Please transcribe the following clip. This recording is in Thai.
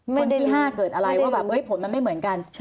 คนที่๕เกิดอะไรว่าแบบผลมันไม่เหมือนกัน